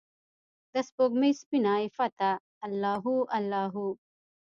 دسپوږمۍ سپینه عفته الله هو، الله هو